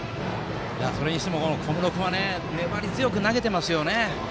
それにしても小室君は粘り強く投げていますね。